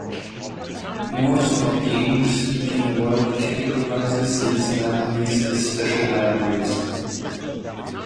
Most of the English speaking world categorizes these libraries as special libraries.